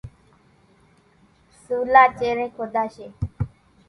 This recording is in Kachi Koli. سُولا چيرين کوۮاشيَ۔